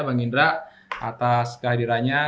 bang indra atas kehadirannya